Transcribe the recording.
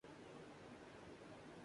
آمدِ خط سے ہوا ہے سرد جو بازارِ دوست